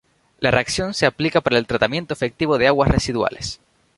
La reacción se aplica para el tratamiento efectivo de aguas residuales.